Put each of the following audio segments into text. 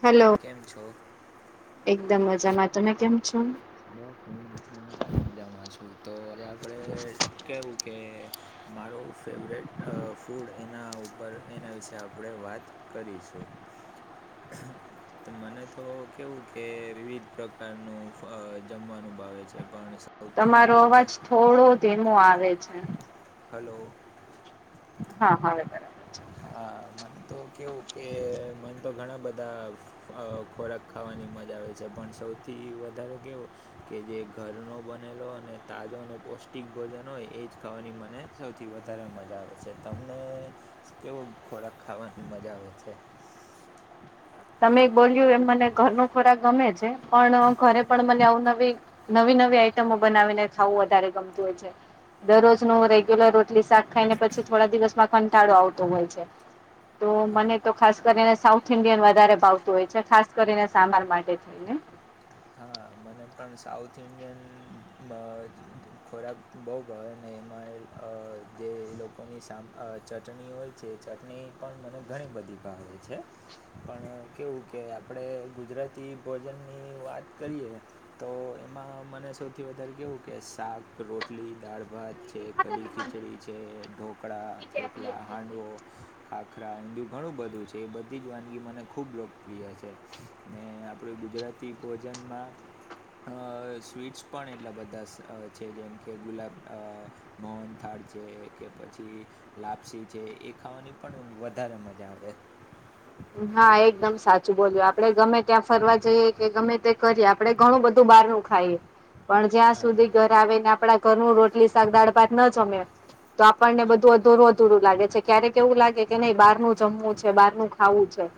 Hello કેમ એકદમ જ કમ મઝામાં તમે બસ હું હું પણ મજામાં છું, તો આજે આપડે કેવું કે મારો ફેવરેટ ફૂડ એના ઉપર એના વિશે આપડે વાત કરીશું. હા ત મને તો કેવું કે વિવિધ પ્રકારનું જમવાનું ભાવે છે. પણ સૌથી તમારો અવાજ વધારે થોડો ધીમો આવે છે. હાલો હા, હવે છે. હા, મન તો કેવું કે મન તો ઘણા બધા અ ખોરાક ખાવાની મજા આવે છે, પણ સૌથી વધારે કેવું કે જે ઘરનો બનેલો અને તાજો અને પૌષ્ટિક ભોજન હોય, એજ ખાવાની મને સૌથી વધારે મજા આવે છે. તમને કેવો ખોરાક ખાવાની મજા આવે છે? તમે બોલ્યું એમ મને ઘરનો ખોરાક ગમે છે, પણ ઘરે પણ અવનવી નવી નવી આઈટમો બનાવીને ખાવું વધારે ગમતું હોય છે. હમ દરરોજનું રેગ્યુલર રોટલી-શાક ખાઈને પછી થોડા દિવસમાં કંટાળો આવતો હોય છે. [inaudible] તો મને તો ખાસ કરીને સાઉથ ઇન્ડિયન વધારે ભાવતું હોય છે. ખાસ કરીને સામાર માટે થઈને. હા, મને પણ સાઉથ ઇન્ડિયન ખોરાક બહુ [unintelligible] એમાં એક જે લોકોની સામ ચટણી હોય, જે ચટણી પણ મને ઘણી બધી ભાવે છે. પણ કેવું કે આપડે ગુજરાતી ભોજનની વાત કરીએ તો એમાં મને સૌથી વધારે કેવું કે શાક-રોટલી, દાળ-ભાત છે. કઢી-ખીચડી છે, ઢોકળા, થેપલા, હાંડવો ખાખરા, ઊંધિયું ઘણું બધું છે એ બધી જ વાનગી મને ખૂબ લોકપ્રિય છે. ને આપણે ગુજરાતી ભોજનમાં અ સ્વીટ્સ પણ એટલા બધા સ છે. જેમ કે ગુલાબ અ મોહનથાળ છે કે પછી લાપસી છે, એ ખાવાની પણ વધારે મજા આવે. હા, એકદમ સાચું બોલ્યા, આપડે ગમે ત્યાં ફરવા જઈએ કે ગમે તે કરીએ આપડે ઘણું બધું બહારનું ખાય, પણ જ્યાં હા. સુધી ઘર આવેને આપડા ઘરનું રોટલી-શાક, દાળ-ભાત ન જમે તો આપણને બધું અધુરું અધુરું લાગે છે. ક્યારેક એવું લાગે કે નહી બારનું જમવું છે બારનું ખાવું છે.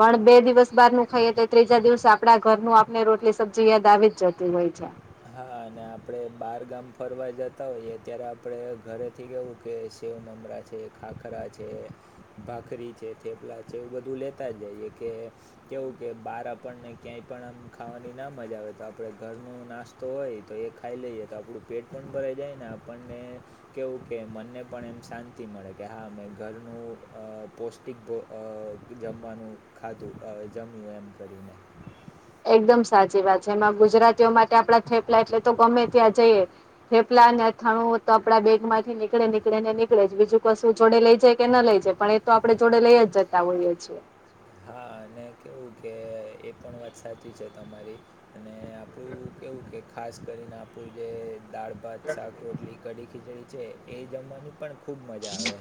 પણ બે દિવસ બારનું ખાઈએ તો ત્રીજા દિવસ આપડા ઘરનું આપણે રોટલી સબ્જી યાદ આવી જ જતી હોય છે. હા, અને આપડે બાર ગામ ફરવા જતા હોઈએ ત્યારે આપડે ઘરે થી કેવું કે શેવ મમરા છે, ખાખરા છે, ભાખરી છે, થેપલા છે, એવું બધું લેતા જ જઈએ કે કેવું કે, બહાર આપણને ક્યાંય પણ આમ ખાવાની ના મજા આવે તો આપડે ઘરનું નાસ્ તો હોય તો એ ખાઈ લઈએ, તો આપણું પેટ પણ ભરાઈ જાય ને આપણને કેવું કે, મનને પણ એમ શાંતિ મળે કે હા મેં ઘરનું અ પોસ્ ટિક અ જમવાનું ખાતું, જમ્યું એમ કરીને એકદમ સાચી વાત છે. એમાં ગુજરાતીઓ માટે આપડા થેપલા એટલે તો ગમે ત્યાં જઈએ થેપલાને અથાણું તો આપડા બેગમાંથી નીકળે નીકળે ને નીકળે જ બીજું કશું જોડે લઈ જાય કે ન લઈ જાય પણ એ તો આપડે જોડે લઈ જ જતા હોઈએ છીએ. હા, અને કેવું કે એ પણ વાત સાચી છે તમારી અને આપડું કેવું કે ખાસ કરીને આપડું જે દાળ-ભાત, શાક રોટલી, કઢી-ખીચડી છે. એ જમવાની પણ ખૂબ મજા આવે.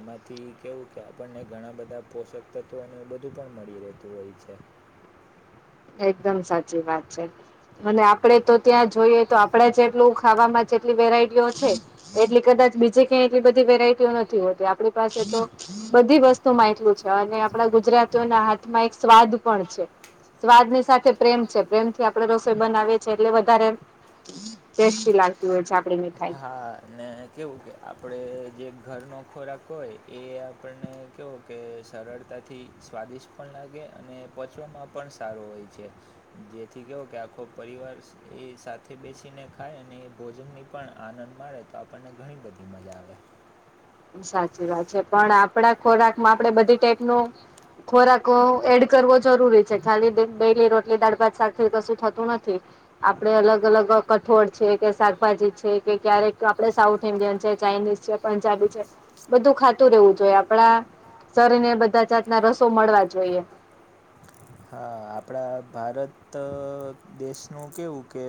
એમાંથી કેવું કે આપણને ઘણા બધા પોષક તત્વો અને બ ધું પણ મળી રહેતું હોય છે. એકદમ સાચી વાત છે. અને હમ. આપણે તો ત્યાં જોઈએ તો આપણે જેટલું ખાવામાં જેટલી વેરાયટીઓ છે એટલી કદાચ બીજે ક્યાં એટલી બધી વેરાયટીઓ નથી હોતી આપણી પાસે તો બધી વસ્તુમાં એટલું છે અને આપડા ગુજરાતીઓના હાથમાં એક સ્વાદ પણ છે સ્વાદ ની સાથે પ્રેમ છે પ્રેમથી આપડે રસોઈ બનાવીએ છે એટલે વધારે ટેસ્ટી લાગ [unintelligible] હા ને કેવું કે આપણે જે ઘરનો ખોરાક હોય એ આપણને કેવો કે સરળતાથી સ્વાદિષ્ટ પણ લાગે અને પચવામાં પણ સારું હોય છે જેથી કેવો કે આખો પરિવાર એ સાથે બેસીને ખાય અને એ ભોજનની પણ આનંદ મારેે તો આપણને ઘણી બધી મજા આવે સાચી વાત છે પણ ખોરાકમાં આપડે બધી ટાઈપનો ખોરાક ક એડ કરવો જરૂરી છે ખાલી ડેલી રોટલી દાળ ભાત સાથે કશું થતું નથી આપડે અલગ અલગ કઠોળ છે કે શાકભાજી છે કે ક્યારેક આપડે સાઉથ ઇન્ડિયન છે ચાઇનીઝ છે પંજાબી છે બધું ખાતું રહેવું જોઈએ આપડા શરીરને બધા જાતના રસો મળવા જોઈએ હા આપડા ભારત દેશનું કેવું કે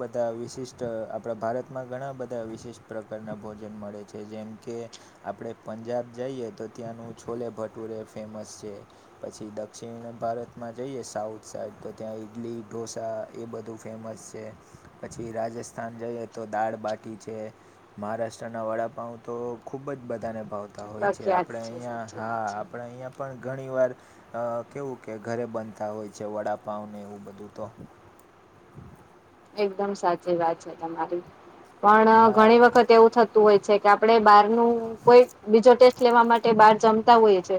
બધા વિશિષ્ટ ટ આપડા ભારતમાં ઘણા બધા વિશિષ્ટ પ્રકારના ભોજન મળે છે જેમ કે આપડે પંજાબ જઈએ તો ત્યાંનું છોલે ભટુરે ફેમસ છે પછી દક્ષિણ ભારત માં જઈએ સાઉથ સાઈડ તો ત્યાં ઈડલી ઢોસા એ બધું ફેમસ છે પછી રાજસ્થાન જઈએ તો દાળ બાટી છે મહારાષ્ટ્રના વડાપાઉ તો ખૂબ જ બધાને ફાવતા હોય છે પ્રખ્યાત આપણે છે અહીંયા સાચી હા વાત છે આપણે અહીંયા પણ ઘણીવાર કેવું કે ઘરે બનતા હોય છે વડાપાવને એવું બધું તો એકદમ સાચી વાત છે તમારી પણ હા ઘણી વખત એવું થ હોય છે કે આપડે બાર નું કોઈ બીજો ટેસ્ટ લેવા માટે બાર જમતા હોઈએ છે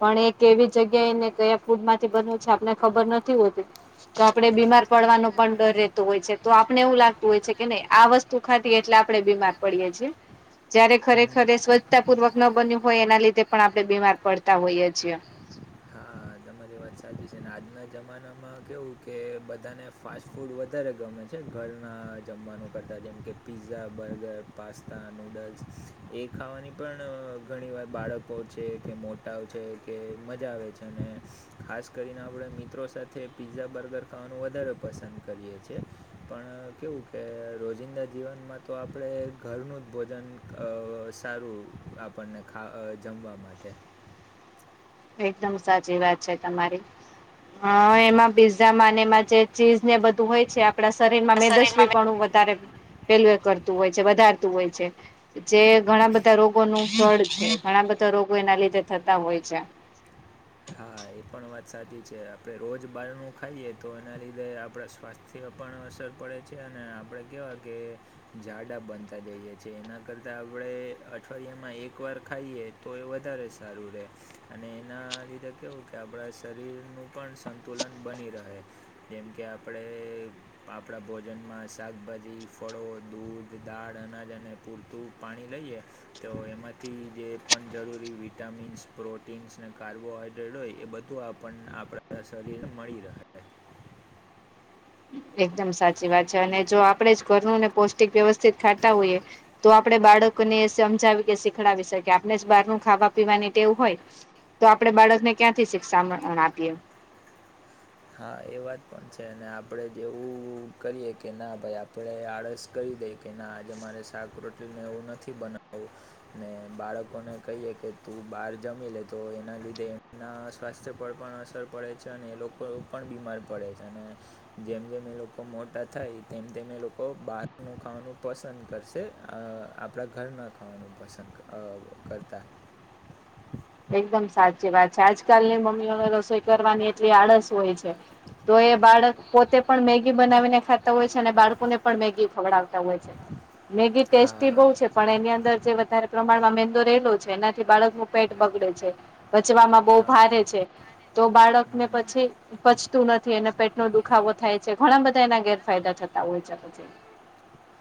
પણ એ કેવી જગ્યા એને કયા ફૂડ માંથી બનવું છે આપને ખબર નથી હોતી તો આપડે બીમાર પડવાનો પણ ડર રહે તો આપણે એવું લાગતું હોય છે કે નહી આ વસ્તુ ખાધી એટલે આપડે બીમાર પડીએ છીએ જયારે ખરેખર એ સ્વચ્છતાપૂર્વક ન બન્યું હોય એના લીધે પણ આપડે બીમાર પડતા હોઈએ છીએ હા તમારી વાત સાચી છે આજના જમાનામાં કેવું કે બધાને ફાસ્ટ ફૂડ વધારે ગમે છે ઘરના જમવાનું કરતાં જેમ કે પિઝા બર્ગર પાસ્તા નૂડલ્સ એ ખાવાની પણ ઘણી વાર બાળકો છે કે મો ટાવ છે કે મજા આવે છે અને ખાસ કરીને આપડે મિત્રો સાથે પિઝા બર્ગર ખાવાનું વધારે પસંદ કરીએ છે પણ કેવું કે રોજિંદા જીવનમાં તો આપણે ઘરનું જ ભોજન અ સારું આપણને ખા જમવા માટે એકદમ સાચી વાત છે તમારી હ એમાં પીઝા મા ને એમાં જે ચીઝ ને બધું હોય છે આપડા શરીર માં મેદસ્વી પણું વધારે પેલું એ કરતું હોય છે વધારતું હોય છે જે ઘણા બધા રોગો નું જળ છે ઘણા બધા રોગો એના લીધે થતા હોય છે હા એ પણ વાત સાચી છે આપડે રોજ બહારનું ખાઈએ તો એના લીધે આપડા સ્વાસ્થ થ્ય પણ અસર પડે છે અને આપડે કેવા કે જાડા બનતા જઈએ છીએ એના કરતા આપણે અઠવાડિયામાં એક વાર ખાઈએ તો એ વધારે સારું રે અને એના તે કેવું કે આપડા શરીર નું પણ સંતુલન બની રહે. જેમ કે આપડે આપડા ભોજનમાં શાકભાજી ફળો દૂધ દાળ અનાજ અને પૂરતું પાણી લઈએ તો એમાંથી જે પણ જરૂરી વિટામિન્સ અને પ્રોટીન્સ ને કાર્બોહાઈ ડય એ બધું આપણ આપડા શરીર માં મળી રહે. એકદમ સાચી વાત છે અને જો આપડે જ ઘરનું ને પૌષ્ટિક વ્યવસ્થિત ખાતા હોઈએ તો આપણે બાળકોને સમજાવી કે શીખડાવી શકીએ આપણે જ બહાર નું ખાવા પીવાની ટેવ હોય તો આપડે બાળકને ક્યાંથી શિક્ષામણ અહ આપીએ. હા એ વાત પણ છે અને આપડે જેવું કરીએ કે ના ભાઈ આપડે આળસ કરી દે કે ના આજે મારે શાક રોટલીને એવું નથી બનાવવું ને બાળકોને કહીએ કે તું બહાર જમી લે તો એના લીધે એમના સ્વાસ્થ્ય પર પણ અસર પડે છે અને એ લોકો પણ બીમાર પડે છે અને જેમ જેમ એ લોકો મોટા થાય તેમ તેમ એ લોકો બાર નું ખાવાનું પસંદ કરશે અહ આપડા ઘર ના ખાવાનું પસંદ અહ કરતા. એકદમ સાચી વાત છે આજકાલની મમ્મીઓને રસોઈ કરવાની એટલી આળસ હોય છે તો એ બાળક પોતે પણ મેગી બનાવીને ખાતા હોય છે અને બાળકોને પણ મેગી ખવડાવતા હોય છે. મેગી ટેસ્ટી હા બહુ છે પણ એની અંદર જે વધારે પ્રમાણમાં મેંદો રહેલો છે એનાથી બાળક નું પેટ બગડે છે પચવામાં બહુ હા ભારે છે. તો બાળક ને હમ પછી પચતું નથી એને પેટ નો દુખાવો થાય છે ઘણા બધા એના ગેરફાયદા થતા હોય છે પછી.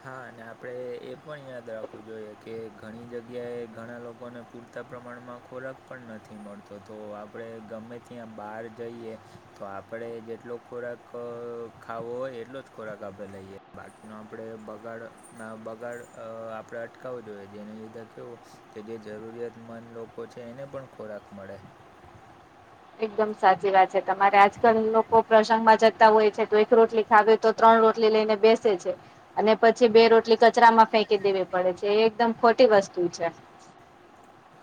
હા અને આપડે એ પણ યાદ રાખવું જોઈએ કે ઘણી જગ્યાએ ઘણા લોકોને પૂરતા પ્રમાણમાં ખોરાક પણ નથી મળ તો તો આપડે ગમે ત્યાં બહાર જઈએ તો આપડે જેટલો ખોરાક ખ ખાવો હોય એટલો જ ખોરાક આપને લઈએ બાકીનો આપડે બગાડ ના બગાડ અહ આપડે અટકાવવો જોઈએ જેને લીધે કેવું કે જે જરૂરિયાતમંદ લોકો છે એને પણ ખોરાક મળે. એકદમ સાચી વાત છે તમારે આજકાલ લોકો પ્રસંગ માં જતા હોય છે તો એક રોટલી સાથે તો ત્રણ રોટલી લઈને બેસે છે. અને પછી બે રોટલી કચરામાં ફેંકી દેવી પડે છે એ એકદમ ખોટી વસ્તુ છે.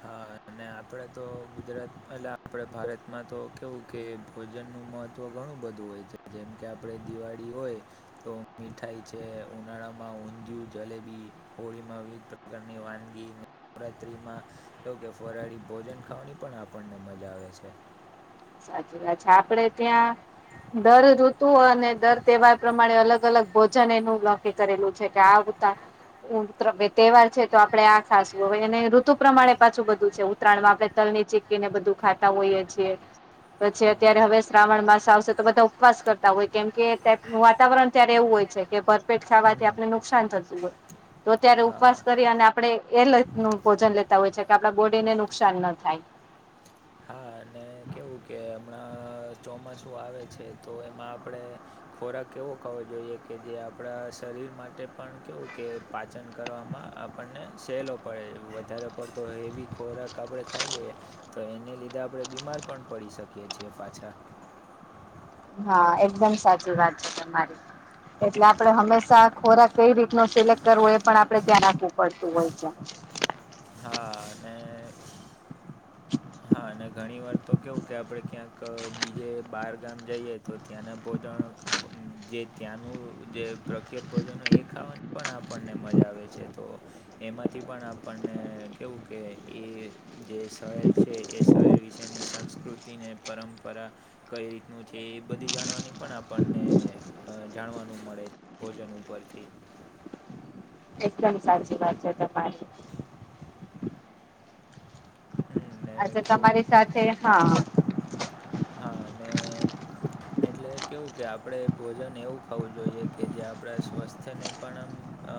હા અને અને આપડે તો ગુજરાત એલા આપડે ભારતમાં તો કેવું કે ભોજનનું મહત્વ ઘણું બધું હોય. જેમ કે આપડે દિવાળી હોય તો મીઠાઈ છે ઉનાળામાં ઊંધિયું જલેબી હોળીમાં વિવિધ પ્રકારની વાનગી નવરાત્રીમાં તો કે ફરાળી ભોજન ખાવાની પણ આપણને મજા આવે છે. સાચી વાત છે. આપડે ત્યાં દર ઋતુ અને દર તહેવાર પ્રમાણે અલગ અલગ ભોજન એનું નક્કી કરેલું છે કે આવુંતા ઉન તહેવાર છે તો આપડે આ ખાસ તો અને ઋતુ પ્રમાણે પાછું બધું છે ઉતરાયણમાં આપડે તલ ની ચીકી ને બધું ખાતા હોઈએ છીએ પછી અત્યારે હવે શ્રાવણ માસ આવશે તો બધા ઉપવાસ કરતા હોય કેમ કે વાતાવરણ ત્યારે એવું હોય છે કે પર પેટ ખાવાથી આપને નુકસાન થતું હોય તો ત્યારે હા હમ હા ઉપવાસ કરી અને આ આપડે એ નું ભોજન લેતા હોય છે કે આપડા બોડી ને નુકસાન ન થાય. હા અને કેવું કે હમણાં અહ ચોમાસું આવે છે તો એમાં આપડે ખોરાક એવો ખાવો જોઈએ કે જે આપડા શરીર માટે પણ કેવું કે પાચન કરવામાં આપણને સહેલો પડે વધારે પડતો હેવી ખોરાક આપડે ખાઈ લઈએ. તો એને લીધે આપણે બીમાર પણ પડી શકીએ છીએ પાછા હા એકદમ સાચી વાત છે તમારી એટલે આપણે હંમેશા ખોરાક કઈ રીત નો સિલેક્ટ કરવો એ પણ આપડે ધ્યાન આપવું પડતું હોય છે હા અને [inaudible] હા અને ઘણી વાર તો કેવું કે આપણે ક્યાંક અ બીજે બાર ગામ જઈએ તો ત્યાંના ભોજન [unintelligible] જે ત્યાંનું જે પ્રખ્યાત ભોજન હોય એ ખાવાની પણ આપણને મજા આવે છે તો એમાંથી પણ આપણને કેવું કે એ એ શહેજ એ એ શહેર વિશેની સંસ્કૃતિને પરંપરા કઈ રીતનું છે એ બધી જાણવાની પણ આપણને અ જાણવાનું મળે ભોજન ઉપરથી એકદમ સાચી વાત છે તમારી હમ, ને આજે કેવું તમારી સાથે હા હા ને એટલે કેવું કે આપણેે ભોજન એવું ખાવું જોઈએ કે જે આપડા સ્વસ્થ થને પણ અ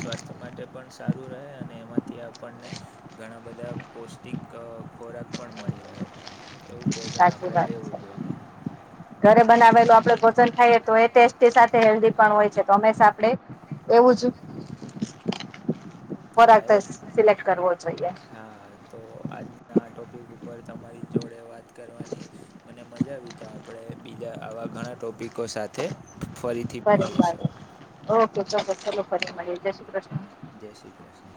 સ્વાસ્થ્ય માટે પણ સારું રહે અને એમાંથી આપણને ઘણા બધા પૌષ્ટિક અ ખોરાક પણ મળી રહે એવું ભોજન સાચી આપણેે વાત છે. લેવું જોઈએ ઘરે હમ બનાવેલું આપડે ભોજન ખાઇએ તો એ ટેસ્ટી સાથે હેલ્ધી પણ હોય છે તો હંમેશા આપણે એવું જ હા ખોરાક એવો જ સિલેક્ટ કરવો જોઈએ હા તો આજના ટોપિક ઉપર તમારી જોડે વાત કરવાની મને મજા આવી તો આપણે બીજા આવા ઘણા ટોપિકો સાથે ફરી ફરી મળીએ ઓકે ચલો ચલો ફરી મળીએ જે શ્રી કૃષ્ણ જે શ્રી કૃષ્ણ